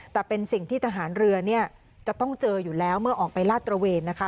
แต่เป็นสิ่งที่ทหารเรือเนี่ยจะต้องเจออยู่แล้วเมื่อออกไปลาดตระเวนนะคะ